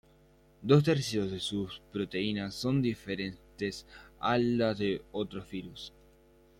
Dos tercios de sus proteínas son diferentes a las de otros virus.